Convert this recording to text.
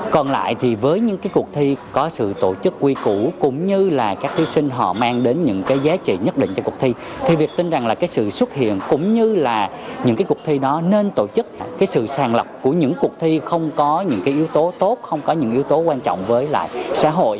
có những yếu tố tốt không có những yếu tố quan trọng với xã hội